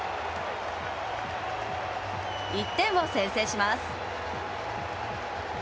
１点を先制します。